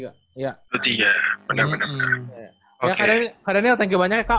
karianel thank you banyak ya kak